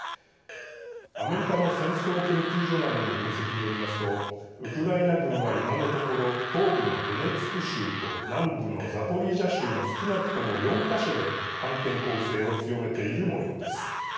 アメリカの戦争研究所などの分析によりますとウクライナ軍は今のところ東部のドネツク州と南部のザポリージャ州の少なくとも４か所で反転攻勢を強めているもようです。